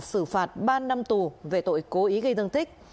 xử phạt ba năm tù về tội cố ý gây thương tích